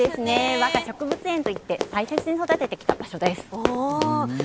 わが植物園といって大切に育ててきた場所です。